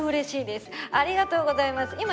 ありがとうございます。